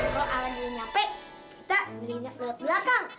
kalau aladin nyampe kita beli loat belakang